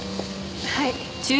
はい。